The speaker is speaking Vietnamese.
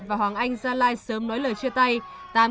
và hoàng anh gia lai sớm nói lời chia tay